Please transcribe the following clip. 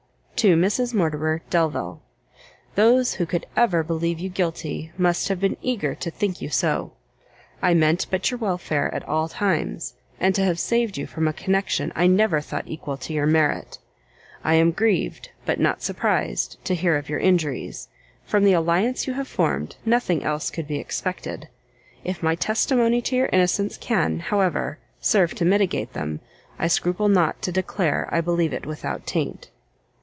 To Mrs Mortimer Delvile. Those who could ever believe you guilty, must have been eager to think you so. I meant but your welfare at all times, and to have saved you from a connection I never thought equal to your merit. I am grieved, but not surprised, to hear of your injuries; from the alliance you have formed, nothing else could be expected: if my testimony to your innocence can, however, serve to mitigate them, I scruple not to declare I believe it without taint.